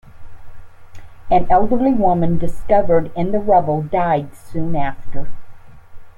An elderly woman discovered in the rubble died soon after.